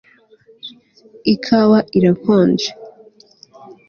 Ikawa irakonje